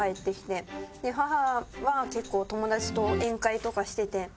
母は結構友達と宴会とかしてて。